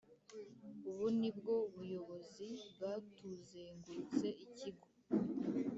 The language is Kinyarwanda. ubu ni bwo buyobozi bwatuzengurutse ikigo.